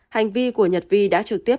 hành vi của nhật vi đã trực tiếp